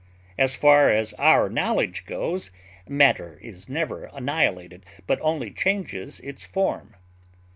As far as our knowledge goes, matter is never annihilated, but only changes its form.